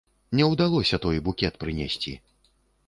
Не ўдалося той букет прынесці.